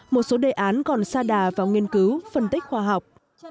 một số đề án còn xa đà vào nghiên cứu phân tích khoa học